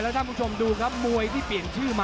ท่านผู้ชมดูครับมวยที่เปลี่ยนชื่อมา